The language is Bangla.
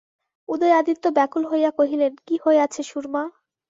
উদয়াদিত্য ব্যাকুল হইয়া কহিলেন, কী হইয়াছে সুরমা?